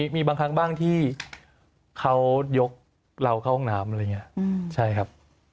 มีบางครั้งบ้างที่เขายกเราเข้าห้องน้ำอะไรอย่างนี้ใช่ครับ